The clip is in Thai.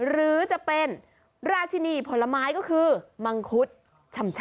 หรือจะเป็นราชินีผลไม้ก็คือมังคุดชำ